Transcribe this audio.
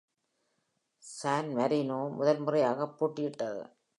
San Marino முதல் முறையாகப் போட்டியிட்டது.